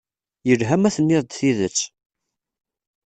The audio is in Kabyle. Yelha ma tenniḍ-d tidet.